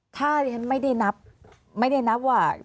ถ้าไม่ได้นับไม่ได้นับว่าสำนวนค่ะ